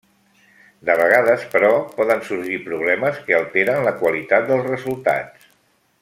De vegades, però, poden sorgir problemes que alteren la qualitat dels resultats.